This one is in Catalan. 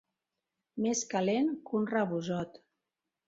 Més calent que un rabosot.